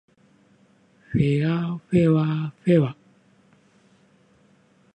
ふぇあふぇわふぇわ